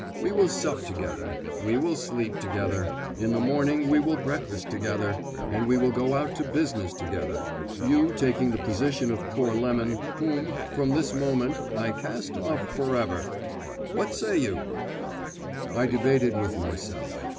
We will sup together, we will sleep together, in the morning we will breakfast together, and we will go out to business together, you taking the position of poor Lemon, whom, from this moment, I cast off for ever. What say you?" I debated with myself.